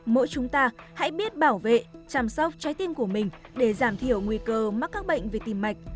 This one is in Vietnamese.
mỗi chúng ta hãy biết bảo vệ chăm sóc trái tim của mình để giảm thiểu nguy cơ mắc các bệnh về tim mạch